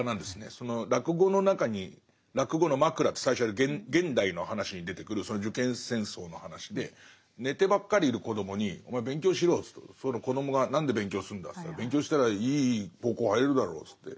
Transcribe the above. その落語の中に落語のマクラって最初現代の話に出てくる受験戦争の話で寝てばっかりいる子供に「お前勉強しろよ」と言うとその子供が「何で勉強するんだ」と言ったら「勉強したらいい高校入れるだろ」って。